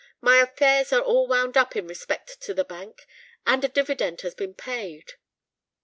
My affairs are all wound up in respect to the bank—and a dividend has been paid."